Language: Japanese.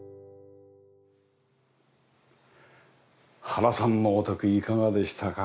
原さんのお宅いかがでしたか？